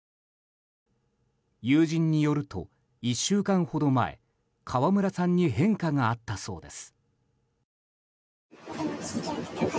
友人によると、１週間ほど前川村さんに変化があったそうです。